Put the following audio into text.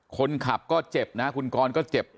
คนขับก็เจ็บนะคุณกรก็เจ็บ